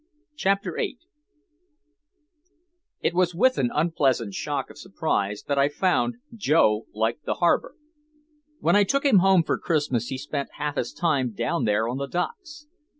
CHAPTER VIII It was with an unpleasant shock of surprise that I found Joe liked the harbor. When I took him home for Christmas he spent half his time down there on the docks.